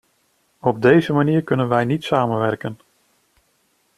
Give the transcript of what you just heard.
Op deze manier kunnen wij niet samenwerken.